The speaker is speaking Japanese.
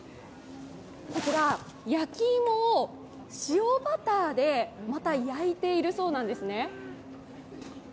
こちら、焼き芋を塩バターでまた焼いているそうなんですね。